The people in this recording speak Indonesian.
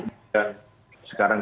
itu halal seperti inilah yang